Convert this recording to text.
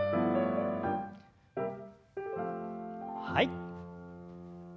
はい。